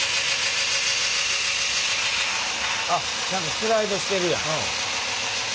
あっちゃんとスライドしてるやん。